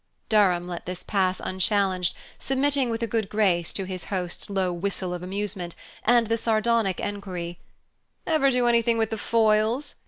Durham let this pass unchallenged, submitting with a good grace to his host's low whistle of amusement, and the sardonic enquiry: "Ever do anything with the foils?